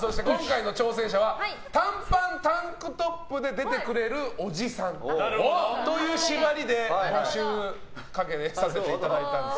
そして今回の挑戦者は短パン、タンクトップで出てくれるおじさんという縛りで募集をかけさせていただいたんです。